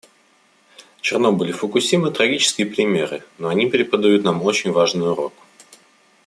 Чернобыль и Фукусима — трагические примеры, но они преподают нам очень важный урок.